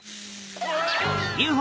うわ！